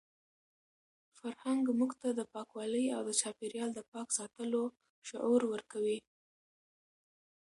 فرهنګ موږ ته د پاکوالي او د چاپیریال د پاک ساتلو شعور ورکوي.